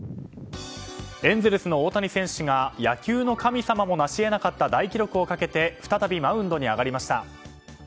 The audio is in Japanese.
エンゼルスの大谷選手が野球の神様もなしえなかった大記録をかけて再びマウンドに上がりました。